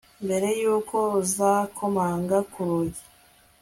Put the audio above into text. mbere yuko uza gukomanga ku rugi